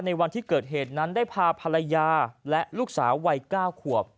วันที่เกิดเหตุนั้นได้พาภรรยาและลูกสาววัย๙ขวบ